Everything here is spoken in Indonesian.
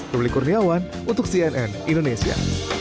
ruli kurniawan untuk cnn indonesia